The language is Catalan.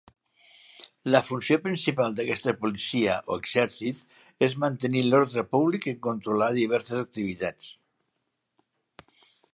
La funció principal d'aquesta policia o exèrcit és mantenir l'ordre públic en controlar diverses activitats.